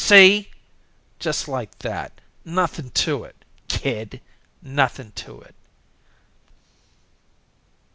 See? Just like that. Nothin' to it, kid. Nothin' to it."